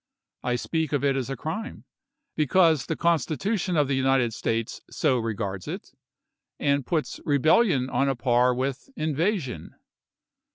I speak of it as a crime, because the Constitution of the United States so regards it, and puts 'rebellion' on a par with 'invasion.'